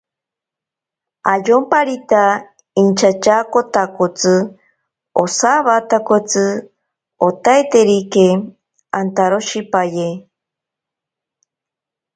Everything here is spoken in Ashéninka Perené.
Ayomparita inchatyaakotakotsi osawatakotsi oitaiterike antaroshipaye.